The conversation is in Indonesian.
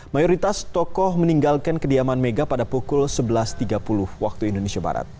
mayoritas tokoh meninggalkan kediaman mega pada pukul sebelas tiga puluh waktu indonesia barat